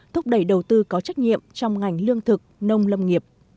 thúc đẩy đầu tư có trách nhiệm trong ngành lương thực nông lâm nghiệp